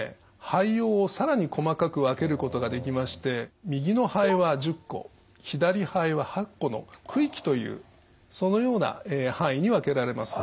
肺葉を更に細かく分けることができまして右の肺は１０個左肺は８個の区域というそのような範囲に分けられます。